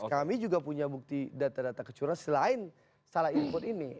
kami juga punya bukti data data kecurangan selain salah input ini